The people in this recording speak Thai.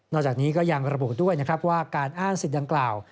จากนี้ก็ยังระบุด้วยนะครับว่าการอ้างสิทธิ์ดังกล่าว